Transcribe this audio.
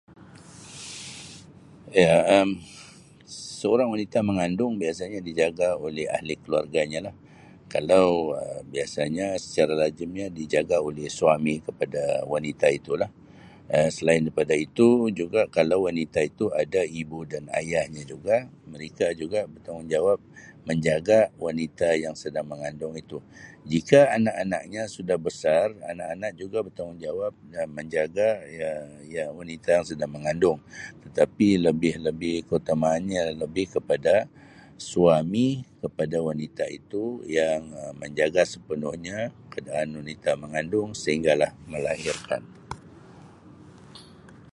Iya Um seorang wanita mengandung biasanya dijaga oleh ahli keluarganya lah kalau biasanya secara lazimnya dijaga oleh suami kepada wanita itu lah Um selain daripada itu juga kalau wanita itu ada ibu dan ayahnya juga mereka juga bertanggungjawab menjaga wanita yang sedang mengandung itu jika anak-anaknya sudah besar anak-anak juga bertanggungjawab dan menjaga ya ya wanita yang sedang mengandung tetapi lebih lebih keutamaanya lebih kepada suami kepada wanita itu yang[Um] menjaga sepenuhnya keadaan wanita mengandung sehingga lah melahirkan.